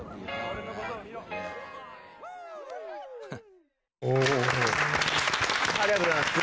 ありがとうございます。